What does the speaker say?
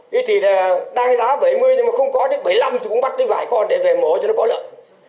đấy thì đang giá bảy mươi nhưng mà không có đến bảy mươi năm thì cũng bắt tới vài con để về mổ cho nó có lợn